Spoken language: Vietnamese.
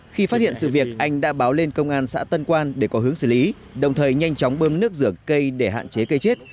khi phát hiện sự việc anh đã báo lên công an xã tân quan để có hướng xử lý đồng thời nhanh chóng bơm nước rửa cây để hạn chế cây chết